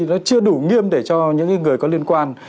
nó chưa đủ nghiêm để cho những người có liên quan